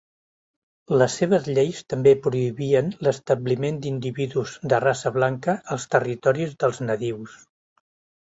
Les seves lleis també prohibien l'establiment d'individus de raça blanca als territoris dels nadius.